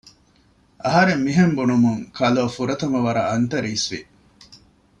އަހަރެން މިހެން ބުނުމުން ކަލޯ ފުރަތަމަ ވަރަށް އަންތަރީސްވި